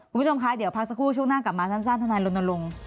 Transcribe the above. คุณผู้ชมคะเดี๋ยวพักสักครู่ช่วงหน้ากลับมาสั้นธนายรณรงค์